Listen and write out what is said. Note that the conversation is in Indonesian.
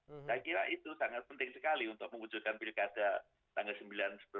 saya kira itu sangat penting sekali untuk mewujudkan pilkada tanggal sembilan sebelas